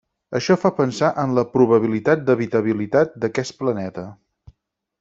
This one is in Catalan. Això fa pensar en la probabilitat d'habitabilitat d'aquest planeta.